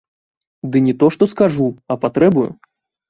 Ды не то што скажу, а патрэбую.